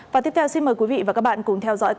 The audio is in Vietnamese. cảm ơn các bạn đã theo dõi